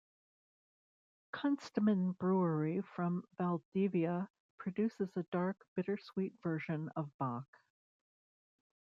Kunstmann Brewery from Valdivia produces a dark, bittersweet version of bock.